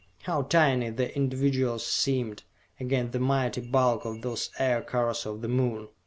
How tiny the individuals seemed, against the mighty bulk of those Aircars of the Moon!